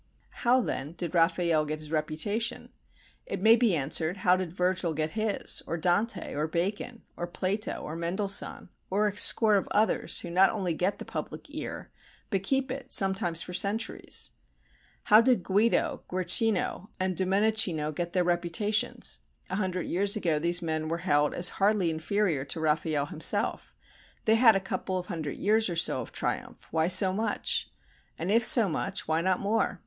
How, then, did Raffaelle get his reputation? It may be answered, How did Virgil get his? or Dante? or Bacon? or Plato? or Mendelssohn? or a score of others who not only get the public ear but keep it sometimes for centuries? How did Guido, Guercino and Domenichino get their reputations? A hundred years ago these men were held as hardly inferior to Raffaelle himself. They had a couple of hundred years or so of triumph—why so much? And if so much, why not more?